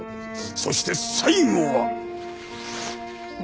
そして最後は。